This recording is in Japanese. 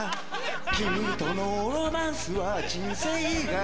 君とのロマンスは人生柄